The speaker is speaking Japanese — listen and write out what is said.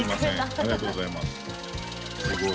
ありがとうございますすごい。